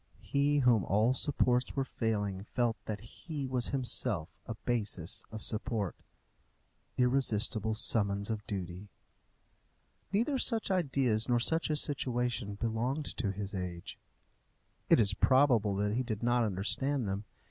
He whom all supports were failing felt that he was himself a basis of support. Irresistible summons of duty! Neither such ideas nor such a situation belonged to his age. It is probable that he did not understand them.